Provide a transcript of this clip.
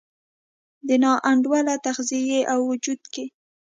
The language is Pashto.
د نا انډوله تغذیې او وجود کې